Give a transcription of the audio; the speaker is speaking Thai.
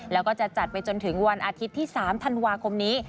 แล้วก็จะจัดไปจนถึงวันอาทิตย์ที่๓ธันวาคมนี้